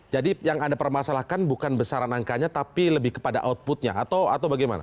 jadi yang anda permasalahkan bukan besaran angkanya tapi lebih kepada outputnya atau bagaimana